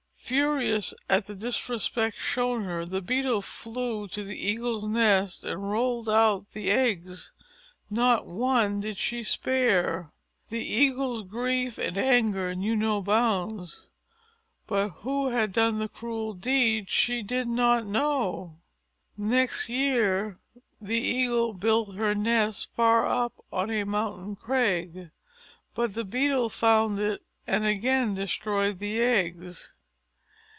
Furious at the disrespect shown her, the Beetle flew to the Eagle's nest and rolled out the eggs. Not one did she spare. The Eagle's grief and anger knew no bounds, but who had done the cruel deed she did not know. Next year the Eagle built her nest far up on a mountain crag; but the Beetle found it and again destroyed the eggs.